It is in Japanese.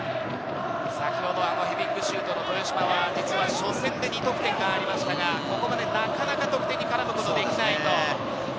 ヘディングシュートの豊嶋は実は初戦で２得点がありましたが、ここまでなかなか得点に絡むことができない。